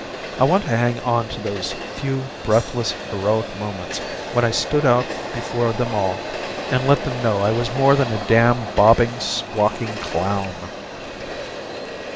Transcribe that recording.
I want to hang on to those few breathless, heroic moments when I stood out before them all and let them know I was more than a damn bobbing, squawking clown."